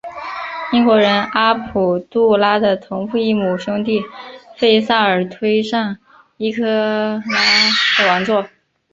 英国人将阿卜杜拉的同父异母兄弟费萨尔推上伊拉克的王座。